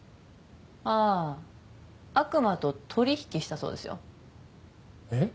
ああー悪魔と取引したそうですよえっ？